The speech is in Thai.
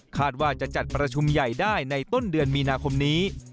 ว่าจะจัดประชุมใหญ่ได้ในต้นเดือนมีนาคมนี้